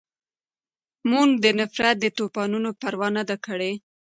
مونږ د نفرت د طوپانونو پروا نه ده کړې